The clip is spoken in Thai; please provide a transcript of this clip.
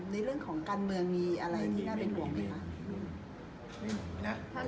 ในเรื่องของการเมืองมีอะไรที่น่าเป็นห่วงไหมคะ